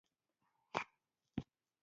جوجُو غلی شو، رڼا ته يې لاس ور ووړ، ويې ويل: